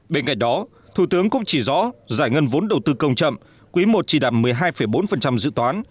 bên cạnh đó thủ tướng cũng chỉ rõ giải ngân vốn đầu tư công chậm quý i chỉ đạt một mươi hai bốn dự toán